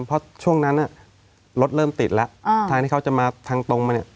เพราะช่วงนั้นรถเริ่มติดแล้วทางที่เขาจะมาทางตรงมาเนี่ย